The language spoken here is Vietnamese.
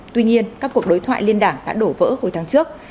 tuy nhiên các cuộc đối thoại liên đảng đã đổ vỡ hồi tháng trước